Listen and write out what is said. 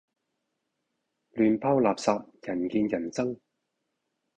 亂拋垃圾，人見人憎